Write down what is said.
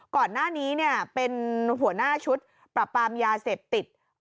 ก่อนหน้านี้เป็นหัวหน้าชุดปรับปรามยาเสพติด